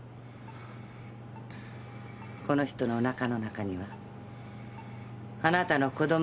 この人のおなかの中にはあなたの子供がいるんだって。